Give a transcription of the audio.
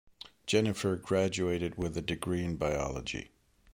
Jennifer graduated with a degree in biology.